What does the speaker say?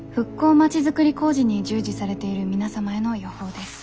町づくり工事に従事されている皆様への予報です。